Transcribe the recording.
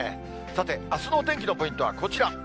さて、あすのお天気のポイントはこちら。